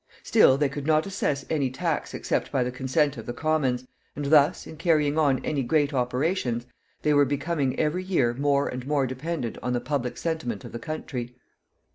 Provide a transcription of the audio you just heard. Still, they could not assess any tax except by the consent of the Commons, and thus, in carrying on any great operations, they were becoming every year more and more dependent on the public sentiment of the country.